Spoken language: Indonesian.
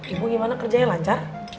ibu gimana kerjanya lancar